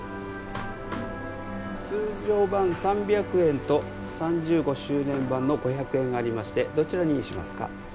通常版３００円と３５周年版の５００円がありましてどちらにしますか？